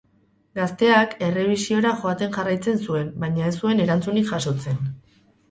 Gazteak errebisiora joaten jarraitzen zuen, baina ez zuen erantzunik jasotzen.